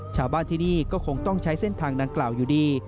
ชาวบ้านที่นี่ก็คงต้องใช้เส้นทางดังกล่าวอยู่ดี